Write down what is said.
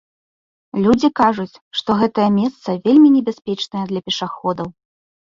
Людзі кажуць, што гэтае месца вельмі небяспечнае для пешаходаў.